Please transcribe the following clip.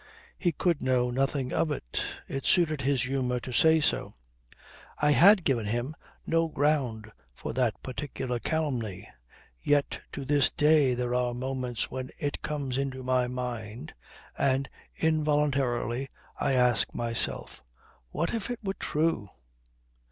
He could know nothing of it. It suited his humour to say so. I had given him no ground for that particular calumny. Yet to this day there are moments when it comes into my mind, and involuntarily I ask myself, 'What if it were true?'